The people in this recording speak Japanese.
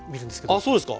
あっそうですか。